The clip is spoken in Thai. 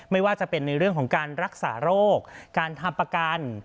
ไม่ว่าจะเป็นในเรื่องของการรักษาโรคการทำประกัน